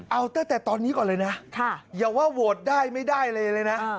เอาตั้งแต่ตอนนี้ก่อนเลยนะอย่าว่าโหวตได้ไม่ได้อะไรเลยนะ